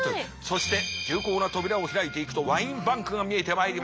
そして重厚な扉を開いていくとワインバンクが見えてまいりました。